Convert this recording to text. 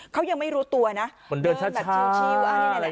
เขายังไม่รู้ตัวเปิดที่เป้นชีว